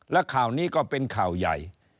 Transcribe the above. และข่าวนี้ก็เป็นข่าวใหญ่